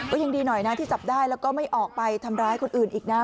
ก็ยังดีหน่อยนะที่จับได้แล้วก็ไม่ออกไปทำร้ายคนอื่นอีกนะ